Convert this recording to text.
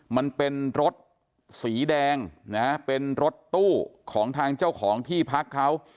มันเป็นรถสีแดงนะเป็นรถตู้ของทางเจ้าของที่พักเขา